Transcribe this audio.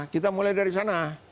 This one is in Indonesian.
kita mulai dari sana